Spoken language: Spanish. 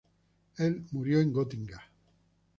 Él murió en Gotinga.